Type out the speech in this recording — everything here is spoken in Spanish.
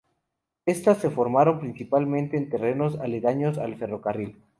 Estas se formaron principalmente en terrenos aledaños al ferrocarril.